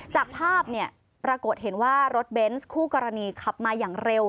จากภาพเนี่ยปรากฏเห็นว่ารถเบนส์คู่กรณีขับมาอย่างเร็ว